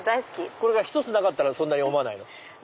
これが１つなかったらそんなに思わないの？